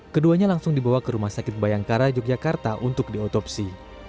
keduanya langsung dibawa ke rumah sakit bayangkara yogyakarta untuk diotopsi